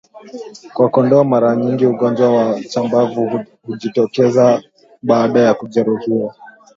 Kwa kondoo mara nyingi ugonjwa wa chambavu hujitokeza baada ya kujeruhuhiwa